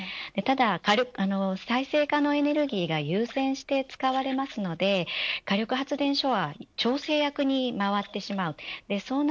ただ、再生可能エネルギーが優先して使われるので火力発電所は調整役に回ってしまいます。